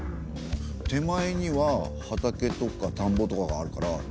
手前には畑とかたんぼとかがあるから農村かな？